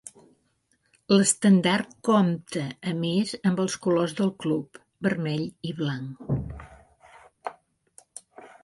L'estendard compta a més amb els colors del club, vermell i blanc.